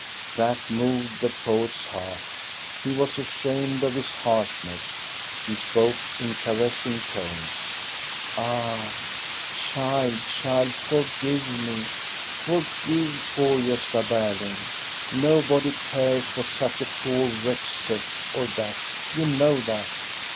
That moved the poet's heart. He was ashamed of his harshness. He spoke in caressing tones. "Ah, child, child, forgive me! Forgive poor Grosta Berling! Nobody cares what such a poor wretch says or does, you know that.